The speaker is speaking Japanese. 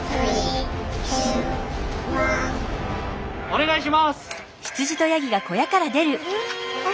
お願いします！